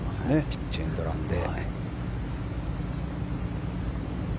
ピッチエンドランで。